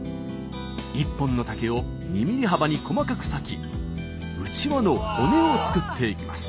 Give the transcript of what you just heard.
１本の竹を２ｍｍ幅に細かく割きうちわの骨を作っていきます。